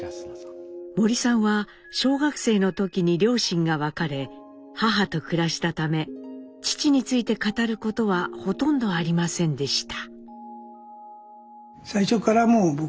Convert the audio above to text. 森さんは小学生の時に両親が別れ母と暮らしたため父について語ることはほとんどありませんでした。